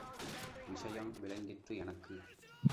விஷயம் விளங்கிற்று எனக்கு.